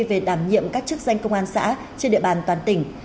về đảm nhiệm các chức danh công an xã trên địa bàn toàn tỉnh